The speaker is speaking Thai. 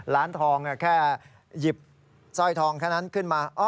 ร้านทองแค่หยิบสร้อยทองแค่นั้นขึ้นมา